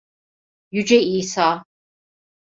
Yüce İsa.